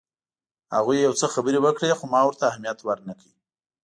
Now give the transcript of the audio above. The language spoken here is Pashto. هغوی یو څه خبرې وکړې خو ما ورته اهمیت ورنه کړ.